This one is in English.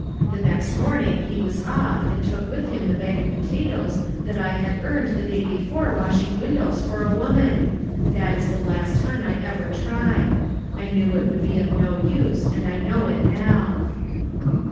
The next morning he was off, and took with him the bag of potatoes that I had earned the day before washing windows for a woman I That is the last time I ever tried. I knew it would be of no use, and I know it now."